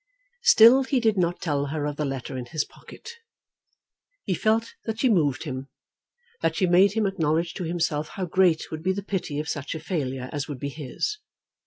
Still he did not tell her of the letter in his pocket. He felt that she moved him, that she made him acknowledge to himself how great would be the pity of such a failure as would be his.